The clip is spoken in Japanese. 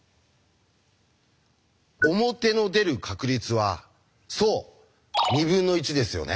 表の出る確率はそう２分の１ですよね。